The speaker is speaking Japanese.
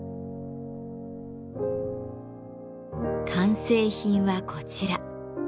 完成品はこちら。